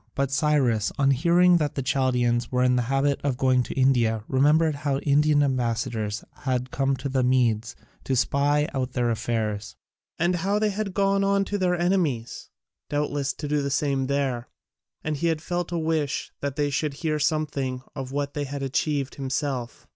But Cyrus, on hearing that the Chaldaeans were in the habit of going to India, remembered how Indian ambassadors had come to the Medes to spy out their affairs, and how they had gone on to their enemies doubtless to do the same there and he felt a wish that they should hear something of what he had achieved himself.